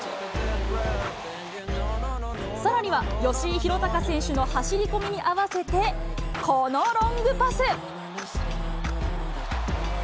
さらには吉井裕鷹選手の走り込みに合わせて、このロングパス。